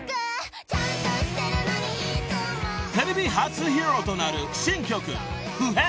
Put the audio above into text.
［テレビ初披露となる新曲『普変』］